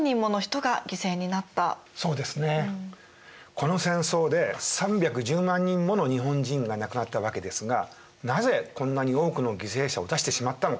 この戦争で３１０万人もの日本人が亡くなったわけですがなぜこんなに多くの犠牲者を出してしまったのか。